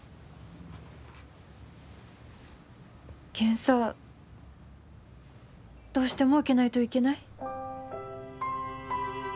検査どうしても受けないといけない？